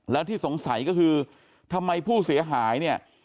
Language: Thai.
แล้วที่สงสัยก็คือทำไมผู้เสียหายเนี่ย